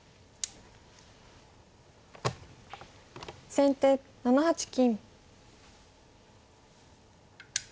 先手７八金。